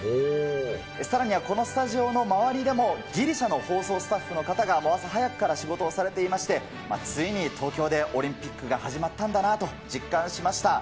さらにはこのスタジオの周りでも、ギリシャの放送スタッフの方が、もう朝早くから仕事をされていまして、ついに東京でオリンピックが始まったんだなと実感しました。